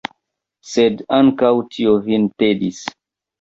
Sed ankaŭ tio vin tedis!